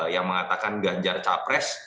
yang mengatakan ganjar capres